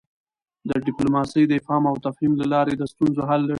ډیپلوماسي د افهام او تفهیم له لاري د ستونزو حل لټوي.